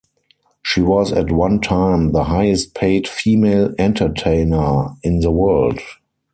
She was at one time the highest-paid female entertainer in the world.